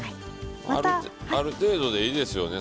ある程度でいいですよね？